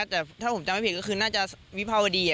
แต่ถ้าผมจำไม่ผิดก็คือน่าจะวิภาวดี